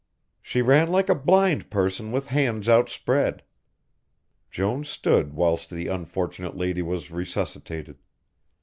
She ran like a blind person with hands outspread. Jones stood whilst the unfortunate lady was resuscitated.